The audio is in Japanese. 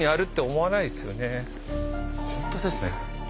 本当ですね。